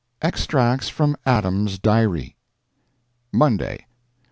EXTRACTS FROM ADAM'S DIARY MONDAY.